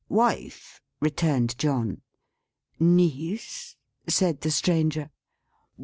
"Wife," returned John. "Niece?" said the Stranger.